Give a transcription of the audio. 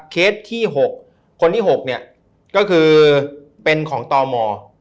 เคสที่๖คนที่๖เนี่ยก็คือเป็นของตม